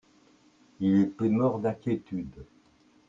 Il était mort d'inquiétude.